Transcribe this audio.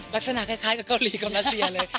ลักษณะคล้ายกับเกาหลีกับรัสเซียเลย